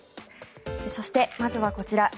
そしてまずはこちら。